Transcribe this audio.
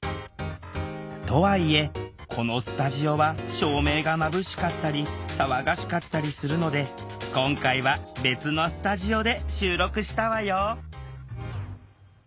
とはいえこのスタジオは照明がまぶしかったり騒がしかったりするので今回は別のスタジオで収録したわよ